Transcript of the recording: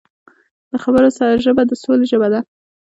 د خبرو ژبه د سولې ژبه ده